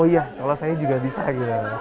oh iya kalau saya juga bisa gitu